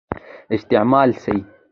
استعمال سي.